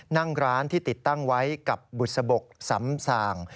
นั่งร้านที่ติดตั้งไว้กับบุษบกสำสาง